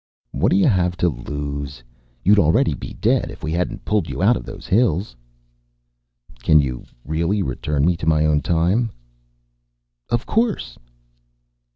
"What do you have to lose? You'd already be dead, if we hadn't pulled you out of those hills." "Can you really return me to my own time?" "Of course!"